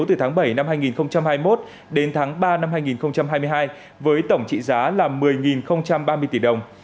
từ tháng bảy năm hai nghìn hai mươi một đến tháng ba năm hai nghìn hai mươi hai với tổng trị giá là một mươi ba mươi tỷ đồng